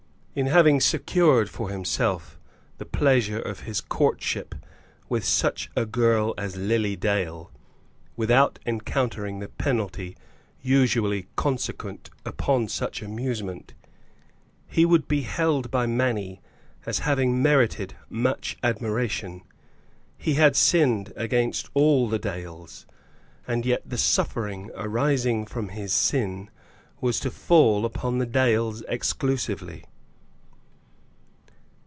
In having secured for himself the pleasure of his courtship with such a girl as Lily Dale, without encountering the penalty usually consequent upon such amusement, he would be held by many as having merited much admiration. He had sinned against all the Dales, and yet the suffering arising from his sin was to fall upon the Dales exclusively.